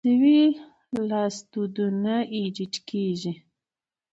قبول شوي لاسوندونه ایډیټ کیږي.